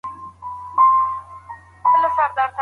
کوم خنډونه د انسان د بریالیتوب پر وړاندي تر ټولو لوی ګواښ دی؟